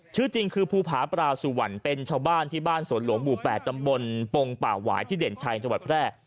ชื่อจริงคือภูผาปราสุวรรณเป็นชาวบ้านที่บ้านสวนหลวงหมู่๘ตำบลปงป่าหวายที่เด่นชัยจังหวัดแพร่